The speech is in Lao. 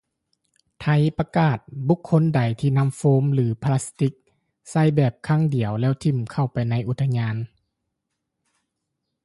ໄທປະກາດ ບຸກຄົນໃດທີ່ນຳໂຟມ ຫຼື ພລາສຕິກແບບໃຊ້ຄັ້ງດຽວແລ້ວຖິ້ມເຂົ້າໄປໃນອຸທິຍານ